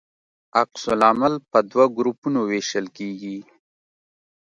عکس العمل په دوه ګروپونو ویشل کیږي.